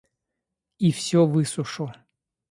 И все высушу.